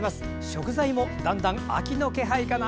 食材もだんだん秋の気配かな。